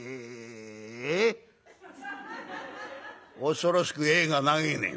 「恐ろしく『え』が長えね」。